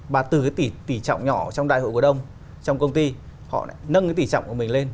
và từ cái tỉ trọng nhỏ trong đại hội cổ đông trong công ty họ lại nâng cái tỉ trọng của mình lên